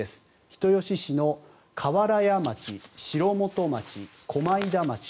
人吉市の瓦屋町、城本町駒井田町。